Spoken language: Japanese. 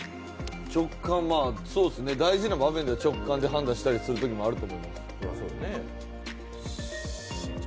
直感は、大事な場面では直感で判断することもあると思います。